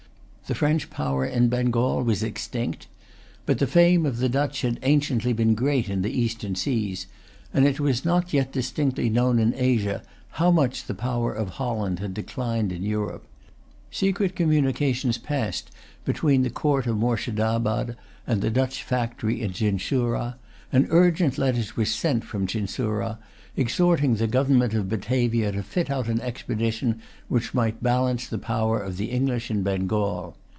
The French power in Bengal was extinct. But the fame of the Dutch had anciently been great in the Eastern seas; and it was not yet distinctly known in Asia how much the power of Holland had declined in Europe. Secret communications passed between the court of Moorshedabad and the Dutch factory at Chinsurah; and urgent letters were sent from Chinsurah, exhorting the government of Batavia to fit out an expedition which might balance the power of the English in Bengal.